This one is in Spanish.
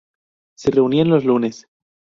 Se reunían los lunes.